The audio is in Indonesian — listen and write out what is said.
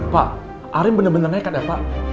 pak arief bener bener nekat ya pak